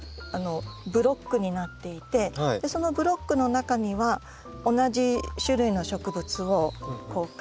ブロックになっていてそのブロックの中には同じ種類の植物を固まりで植えてるんですね。